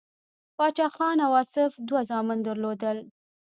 پاچا افغان او آصف دوه زامن درلودل.